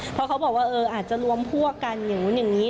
เพราะเขาบอกว่าอาจจะรวมพวกกันอย่างนู้นอย่างนี้